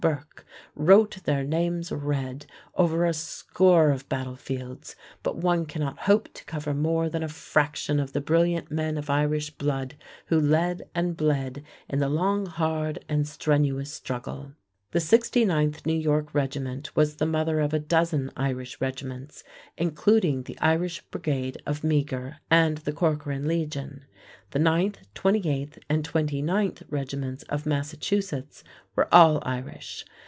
Burke, wrote their names red over a score of battle fields, but one cannot hope to cover more than a fraction of the brilliant men of Irish blood who led and bled in the long, hard, and strenuous struggle. The 69th New York Regiment was the mother of a dozen Irish regiments, including the Irish Brigade of Meagher and the Corcoran Legion. The 9th, 28th, and 29th regiments of Massachusetts were all Irish.